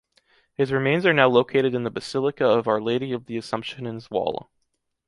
His remains are now located in the Basilica of Our Lady of the Assumption in Zwolle.